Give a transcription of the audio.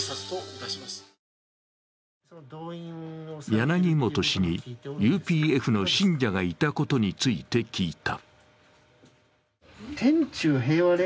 柳本氏にＵＰＦの信者がいたことについて聞いた。